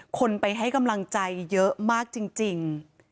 คนไปให้กำลังใจเยอะมากจริง